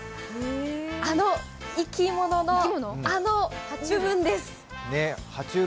あの生き物の、あのは虫類です。